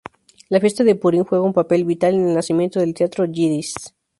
La fiesta de Purim juega un papel vital en el nacimiento del teatro yiddish.